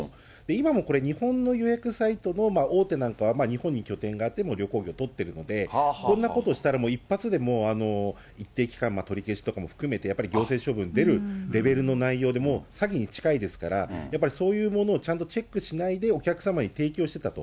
今この日本の予約サイトの大手なんかは日本に拠点があって、旅行業、取ってるので、こんなことしたら、一発でもう一定期間、取り消しとかも含めてやっぱり行政処分出るレベルの内容で、もう詐欺に近いですから、やっぱりそういうものをちゃんとチェックしないで、お客様に提供してたと。